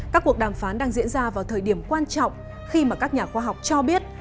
các cuộc đàm phán đang diễn ra vào thời điểm quan trọng khi mà các nhà khoa học cho biết